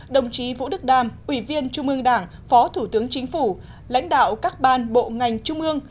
đồng chí vũ đức đam ủy viên trung ương đảng phó thủ tướng chính phủ lãnh đạo các ban bộ ngành trung ương